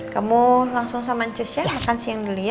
kamu langsung sama ncus ya makan siang dulu ya